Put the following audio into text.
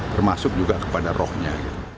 termasuk juga kepada rohnya